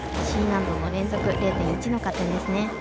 Ｃ難度の連続、０．１の加点です。